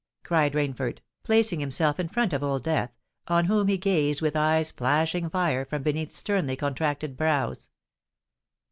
cried Rainford, placing himself in front of Old Death, on whom he gazed with eyes flashing fire from beneath sternly contracted brows.